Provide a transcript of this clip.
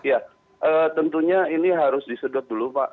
ya tentunya ini harus disedot dulu pak